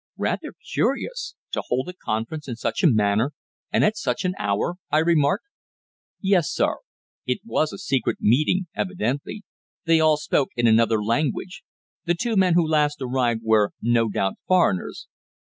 "Rather curious to hold a conference in such a manner and at such an hour!" I remarked. "Yes, sir. It was a secret meeting, evidently. They all spoke in another language. The two men who last arrived were no doubt foreigners."